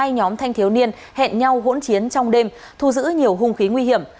hai nhóm thanh thiếu niên hẹn nhau hỗn chiến trong đêm thu giữ nhiều hung khí nguy hiểm